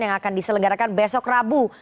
yang akan diselenggarakan besok rabu